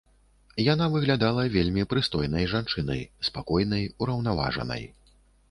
Яна выглядала вельмі прыстойнай жанчынай, спакойнай, ураўнаважанай.